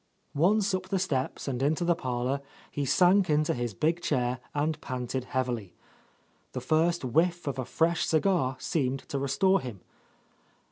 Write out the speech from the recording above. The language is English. Once up the steps and into the parlour, he sank into his big chair and panted heavily. The first whiff of a fresh cigar seemed to restore him.